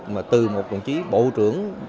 mà từ một đồng chí bộ trưởng